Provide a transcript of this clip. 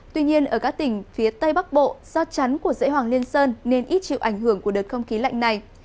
tuy nhiên ở các tỉnh phía tây bắc bộ do chắn của dãy hoàng liên sơn nên ít chịu ảnh hưởng của đợt không khí lạnh này